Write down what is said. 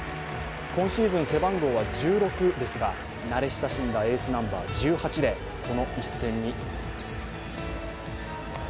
今シーズン背番号は１６ですが慣れ親しんだエースナンバー１８でこの一戦に臨みます。